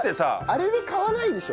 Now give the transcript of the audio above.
あれで買わないでしょ。